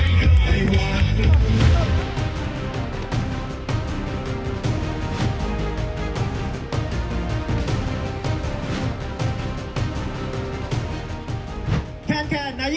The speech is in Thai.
กลับไปรับไป